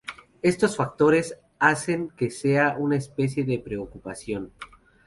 Estos factores hacen que sea una especie de preocupación.